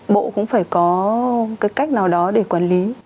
bộ cũng phải có cái cách nào đó để quản lý